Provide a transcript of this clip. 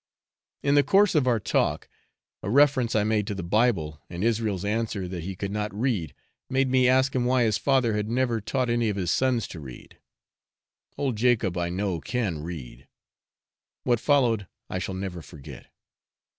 In the course of our talk, a reference I made to the Bible, and Israel's answer that he could not read, made me ask him why his father had never taught any of his sons to read; old Jacob, I know, can read. What followed I shall never forget.